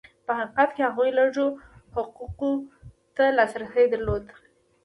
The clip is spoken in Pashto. په حقیقت کې هغوی لږو حقوقو ته لاسرسی درلود.